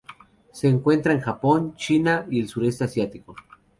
Se encuentran en Japón, China y el Sureste Asiático.